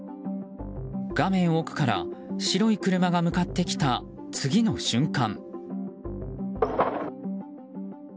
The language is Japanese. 画面奥から白い車が向かってきた次の瞬間。